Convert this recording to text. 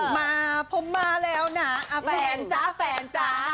มาผมมาแล้วนะแฟนจ๊ะแฟนจ้า